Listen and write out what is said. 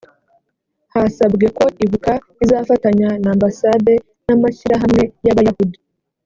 hasabwe ko ibuka izafatanya n ambassade n amashyirahamwe y abayahudi